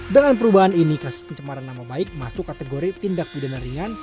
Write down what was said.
dengan perubahan ini kasus pencemaran nama baik masuk kategori tindak pidana ringan